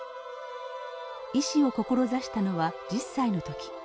医師を志したのは１０歳の時。